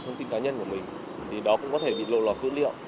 thông tin cá nhân của mình cũng có thể bị lộ lọt dữ liệu